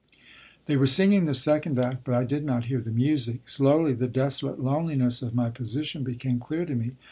They were singing the second act, but I did not hear the music. Slowly the desolate loneliness of my position became clear to me.